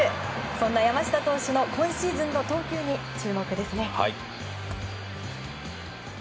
そんな山下投手の今シーズンの投球に注目ですね。